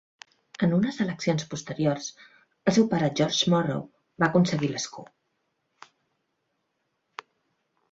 En unes eleccions posteriors, el seu pare George Morrow, va aconseguir l'escó.